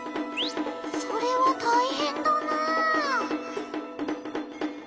それはたいへんだな。